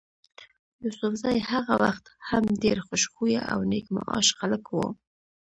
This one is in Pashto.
يوسفزي هغه وخت هم ډېر خوش خویه او نېک معاش خلک ول.